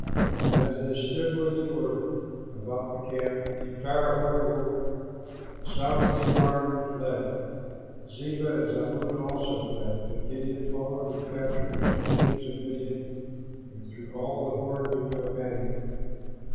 And as they stood where they were, about the camp, the entire horde awoke, sounded the alarm, and fled. Zebah and Zalmunna also fled; but Gideon followed and captured the two kings of Midian and threw all the horde into a panic.